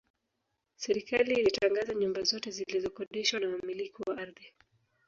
Serikali ilitangaza nyumba zote zilizokodishwa na Wamiliki wa ardhi